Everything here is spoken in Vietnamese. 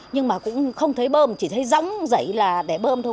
nhưng mà cũng không thấy bơm chỉ thấy gióng rẫy là để bơm thôi